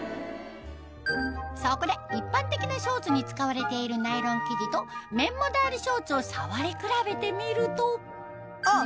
そこで一般的なショーツに使われているナイロン生地と綿モダールショーツを触り比べてみるとあっ！